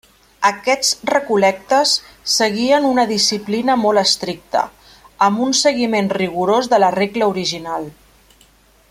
Aquests recol·lectes seguien una disciplina molt estricta, amb un seguiment rigorós de la regla original.